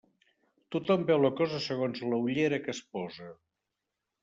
Tothom veu la cosa segons la ullera que es posa.